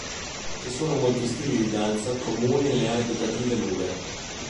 Ci sono molti stili di danza comuni nelle aree abitative lure.